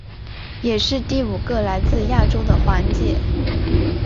也是第五个来自亚洲的环姐。